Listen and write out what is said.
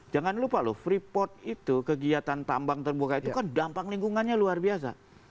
jangan lupa loh freeport itu kegiatan tambang terbuka itu kan dampak lingkungannya luar biasa